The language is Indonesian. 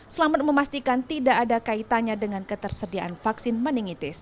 selamat memastikan tidak ada kaitannya dengan ketersediaan vaksin meningitis